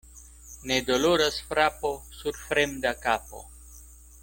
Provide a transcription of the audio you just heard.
Ne doloras frapo sur fremda kapo.